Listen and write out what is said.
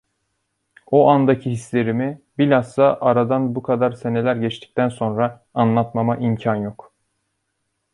O andaki hislerimi, bilhassa aradan bu kadar seneler geçtikten sonra, anlatmama imkân yok.